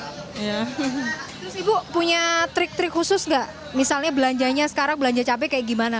terus ibu punya trik trik khusus nggak misalnya belanjanya sekarang belanja cabai kayak gimana